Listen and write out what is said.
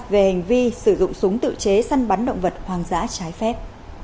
về hành vi sử dụng súng tự chế săn bắn động vật hoang dã trái phép